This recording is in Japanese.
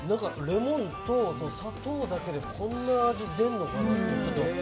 レモンと砂糖だけでこんな味出るのかなって。